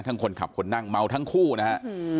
คนขับคนนั่งเมาทั้งคู่นะฮะ